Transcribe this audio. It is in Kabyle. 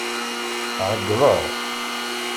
Ɛeyyḍeɣ.